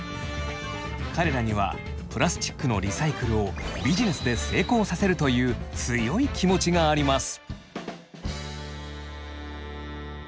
彼らにはプラスチックのリサイクルをビジネスで成功させるという強い気持ちがあります。